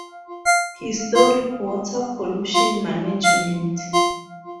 Historic Water Pollution Management.